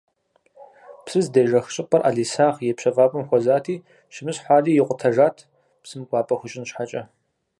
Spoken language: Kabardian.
Псыр здежэх щӏыпӏэр ӏэлисахь и пщэфӏапӏэм хуэзати, щымысхьу ари икъутэжат, псым кӏуапӏэ хуищӏын щхьэкӏэ.